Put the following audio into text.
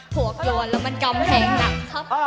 พวกหยวนแล้วมันกำแหงหนัก